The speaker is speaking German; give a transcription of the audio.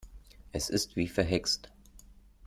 Es ist wie verhext.